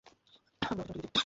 আমি তোমাকে চমকে দিতে চেয়েছিলাম।